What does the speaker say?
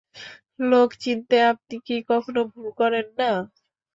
লোক চিনতে আপনি কি কখনো ভুল করেন না?